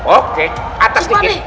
oke atas dikit